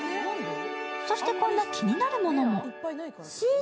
そしてこんな気になるものも。